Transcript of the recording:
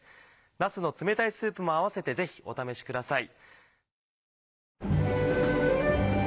「なすの冷たいスープ」も併せてぜひお試しください。